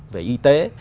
về y tế